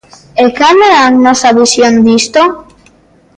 ¿E cal é a nosa visión disto?